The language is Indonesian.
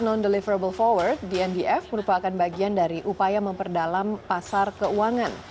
non deliverable forward dndf merupakan bagian dari upaya memperdalam pasar keuangan